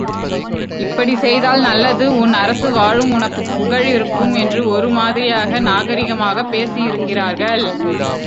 இப்படி செய்தால் நல்லது உன் அரசு வாழும் உனக்குப் புகழ் இருக்கும் என்று ஒரு மாதிரியாக நாகரிகமாகப் பேசியிருக்கிறார்கள்.